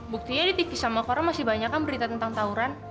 buktinya di tv sama orang masih banyak kan berita tentang tawuran